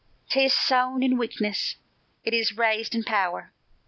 "'Tis sown in weakness, it is raised in power!"